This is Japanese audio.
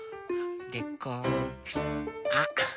でこうあ！